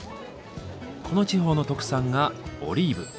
この地方の特産がオリーブ。